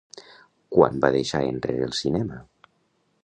Quan va deixar enrere el cinema?